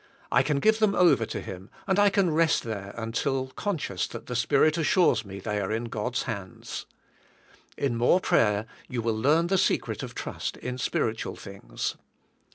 I can give them over to Him and I can rest there until conscious that the Spirit assures me they are in God's hands. In more prayer you will learn the secret of trust in spiritual things.